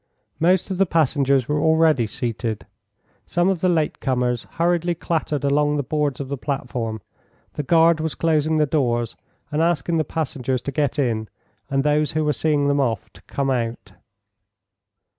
Most of the passengers were already seated. Some of the late comers hurriedly clattered along the boards of the platform, the guard was closing the doors and asking the passengers to get in and those who were seeing them off to come out.